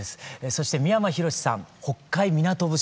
そして三山ひろしさん「北海港節」